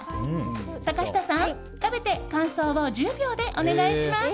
坂下さん、食べて感想を１０秒でお願いします。